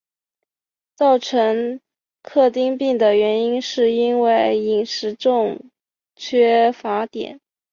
造成克汀病的原因是因为饮食中缺乏碘。